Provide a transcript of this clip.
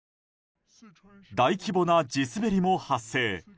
大規模な地滑りも発生。